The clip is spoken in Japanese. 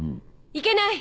いけない！